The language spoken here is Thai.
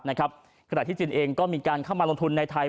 ขณะที่จีนเองก็มีการเข้ามาลงทุนในไทย